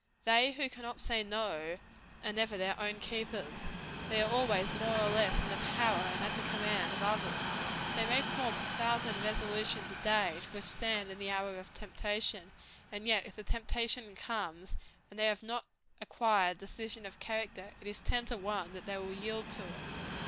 They who cannot say no, are never their own keepers; they are always, more or less, in the power and at the command of others. They may form a thousand resolutions a day, to withstand in the hour of temptation; and yet, if the temptation comes, and they have not acquired decision of character, it is ten to one but they will yield to it.